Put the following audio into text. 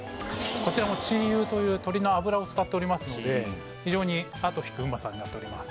こちらも鶏油という鶏の油を使っておりますので非常に後引くうまさになっております